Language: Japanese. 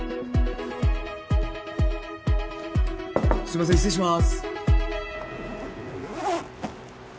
すみません失礼します。